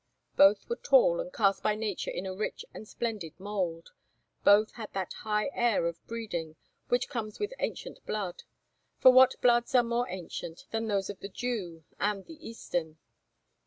Both were tall and cast by Nature in a rich and splendid mould; both had that high air of breeding which comes with ancient blood—for what bloods are more ancient than those of the Jew and the Eastern?